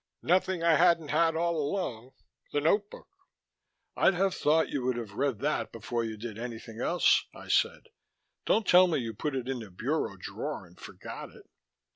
"Nothing I hadn't had all along. The notebook." "I'd have thought you would have read that before you did anything else," I said. "Don't tell me you put it in the bureau drawer and forgot it."